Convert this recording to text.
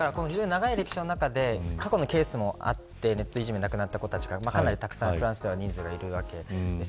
長い歴史の中で過去のケースもあってネットいじめで亡くなった子とかかなりフランスには人数がいるわけです。